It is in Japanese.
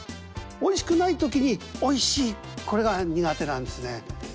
おいしくない時に「おいしい」これが苦手なんですね。